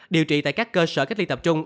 điều trị tại các cơ sở cách ly tập trung